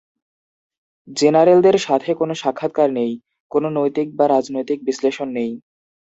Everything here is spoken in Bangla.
জেনারেলদের সাথে কোন সাক্ষাৎকার নেই; কোন নৈতিক বা রাজনৈতিক বিশ্লেষণ নেই।